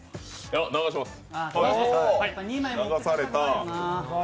流します。